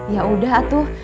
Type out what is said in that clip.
ya udah atuh